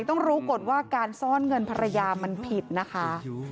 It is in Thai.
ต้องรู้กฎว่าการซ่อนเงินภรรยามันผิดนะคะ